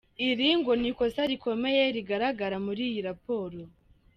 Iri ngo ni ikosa rikomeye rigaragara muri iyo ‘raporo’.